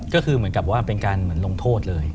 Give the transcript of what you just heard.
ก็คือเหมือนกับว่าเป็นการเหมือนลงโทษเลย